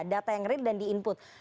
data yang real dan di input